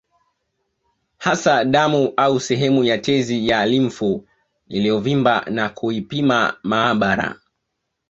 Hasa damu au sehemu ya tezi ya limfu iliyovimba na kuipima maabara